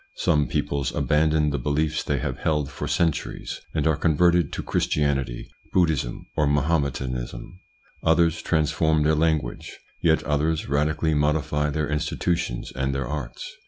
Some peoples abandon the beliefs they have held for centuries and are converted to Christianity, Buddhism or Mahometanism : others transform their language ; yet others radically modify their institutions and their arts.